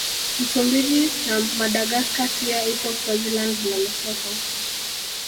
Msumbiji na Madagaska pia ipo Swaziland na Lesotho